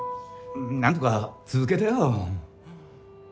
なんとか続けてよ。